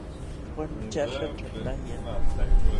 Wanuchaśhqa ćhakla yanam.